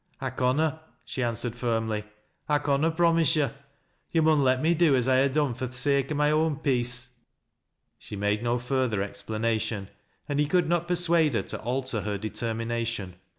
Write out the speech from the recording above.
" I conna," she answered iirmly. " I conna promiso yo' Yo' mun let me do as I ha' done fur th' sake o' my owi peace." She made no further explanation, and he could not per iaade her to alter her determination.